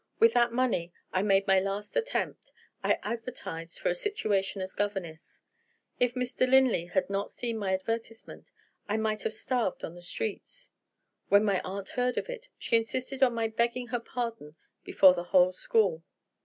With that money I made my last attempt I advertised for a situation as governess. If Mr. Linley had not seen my advertisement, I might have starved in the streets. When my aunt heard of it, she insisted on my begging her pardon before the whole school.